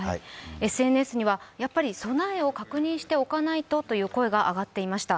ＳＮＳには、備えを確認しておかないとという声が上がっていました。